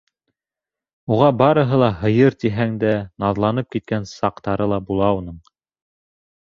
Уға барыһы ла һыйыр тиһәң дә, наҙланып киткән саҡтары ла була уның.